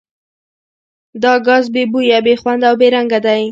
دا ګاز بې بویه، بې خونده او بې رنګه دی.